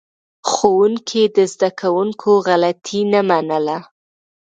ښوونکي د زده کوونکو غلطي نه منله.